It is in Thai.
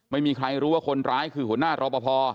ไม่มีใครรู้ว่าคนร้ายคือหัวหน้ารอปภ